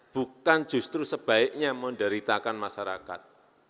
bukan justru sebaiknya menderitakan masyarakat